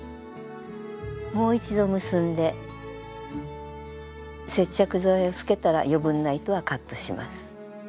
もう一度結んで接着剤をつけたら余分な糸はカットします。